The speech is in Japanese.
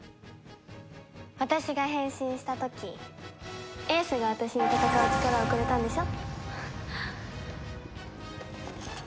私が変身した時英寿が私に戦う力をくれたんでしょ？